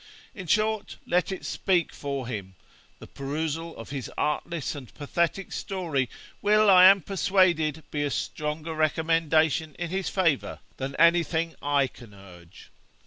In short, let it speak for him: the perusal of his artless and pathetic story will, I am persuaded, be a stronger recommendation in his favour than any thing I can urge.